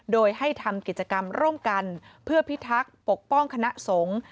โดยให้ทำกิจกรรมร่วมกันเพื่อพิทักษ์ปกป้องคณะสงฆ์